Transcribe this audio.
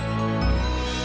yang nalausud ini